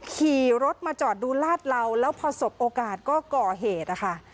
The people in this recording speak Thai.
ขี่รถมาจอดดูลาดเหลาแล้วพอสบโอกาสก็ก่อเหตุนะคะ